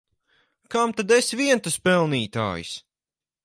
Kam tad es vien tas pelnītājs!